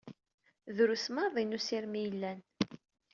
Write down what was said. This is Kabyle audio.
Drus maḍi n usirem i yellan.